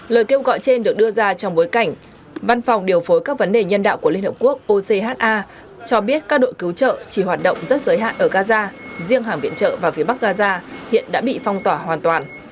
lời kêu gọi trên được đưa ra trong bối cảnh văn phòng điều phối các vấn đề nhân đạo của liên hợp quốc ocha cho biết các đội cứu trợ chỉ hoạt động rất giới hạn ở gaza riêng hàng viện trợ vào phía bắc gaza hiện đã bị phong tỏa hoàn toàn